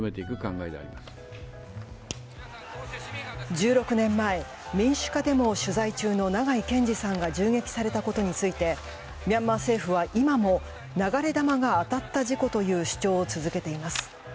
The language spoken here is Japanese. １６年前、民主化デモを取材中の長井健司さんが銃撃されたことについてミャンマー政府は今も流れ弾が当たった事故という主張を続けています。